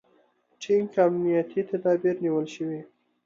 ټینګ امنیتي تدابیر نیول شوي.